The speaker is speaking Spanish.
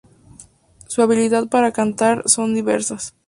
Su habilidad para cantar, son diversas.